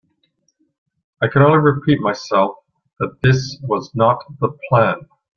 I can only repeat myself that this was not the plan.